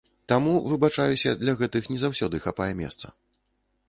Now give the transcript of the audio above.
Таму, выбачаюся, для гэтых не заўсёды хапае месца.